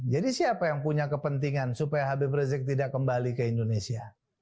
jadi siapa yang punya kepentingan supaya habib rizieq tidak kembali ke indonesia